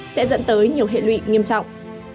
sẽ dẫn tới nhiều hệ lụy nghiêm trọng